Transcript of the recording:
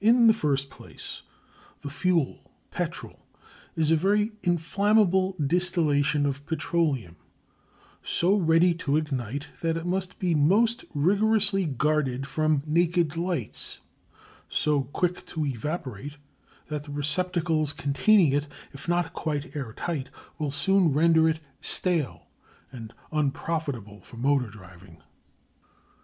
In the first place the fuel, petrol, is a very inflammable distillation of petroleum: so ready to ignite that it must be most rigorously guarded from naked lights; so quick to evaporate that the receptacles containing it, if not quite airtight, will soon render it "stale" and unprofitable for motor driving.